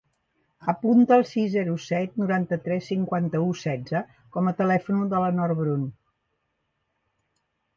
Apunta el sis, zero, set, noranta-tres, cinquanta-u, setze com a telèfon de la Nor Brun.